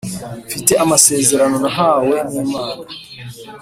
Mfite amasezerano nahawe nimana